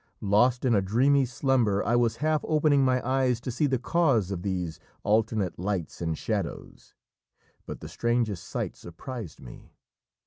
Lost in a dreamy slumber, I was half opening my eyes to see the cause of these alternate lights and shadows, but the strangest sight surprised me.